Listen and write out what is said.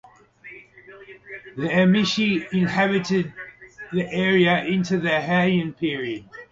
The Emishi inhabited the area into the Heian period.